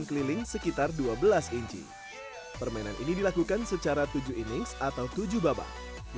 keliling sekitar dua belas inci permainan ini dilakukan secara tujuh innix atau tujuh babak